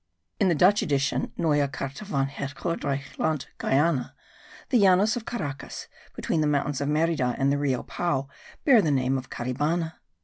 In the Dutch edition Nieuwe Caerte van het goudrycke landt Guiana, the Llanos of Caracas, between the mountains of Merida and the Rio Pao, bear the name of Caribana.